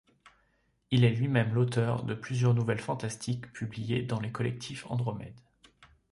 Il est lui-même l’auteur de plusieurs nouvelles fantastiques publiées dans les collectifs Andromède.